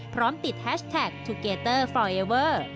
พร้อมติดแฮชแท็กทูเกเตอร์ฟรอยเอเวอร์